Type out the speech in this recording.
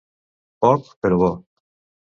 Poc, però bo.